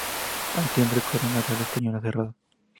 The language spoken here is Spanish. Al timbre, corona real española cerrada.